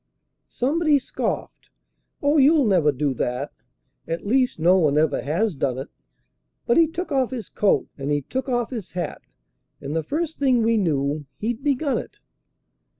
Somebody scoffed: "Oh, you'll never do that; At least no one ever has done it"; But he took off his coat and he took off his hat, And the first thing we knew he'd begun it.